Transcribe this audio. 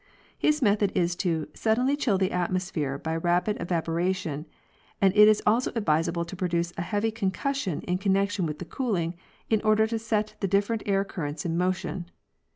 His method is to "Suddenly chill the atmos phere by rapid evaporation, and it is also advisable to produce a heavy concussion in connection with the cooling in order to set the different air currents in motion.